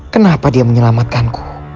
kenapa dia menyelamatkanku